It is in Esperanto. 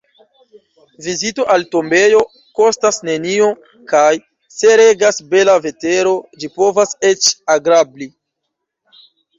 Vizito al tombejo kostas nenion kaj, se regas bela vetero, ĝi povas eĉ agrabli.